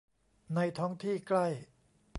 ในท้องที่ใกล้